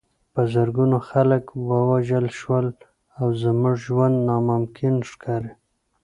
په زرګونو خلک ووژل شول او زموږ ژوند ناممکن ښکاري